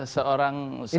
seorang sahabat yang